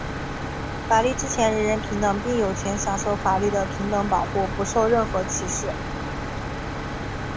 法律之前人人平等,并有权享受法律的平等保护,不受任何歧视。